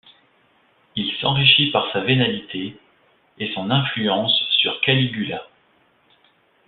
Il s'enrichit par sa vénalité, et son influence sur Caligula.